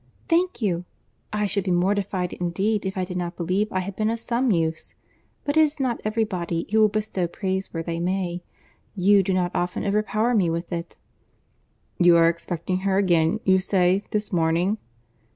"Thank you. I should be mortified indeed if I did not believe I had been of some use; but it is not every body who will bestow praise where they may. You do not often overpower me with it." "You are expecting her again, you say, this morning?"